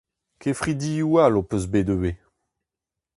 Kefridioù all ho peus bet ivez.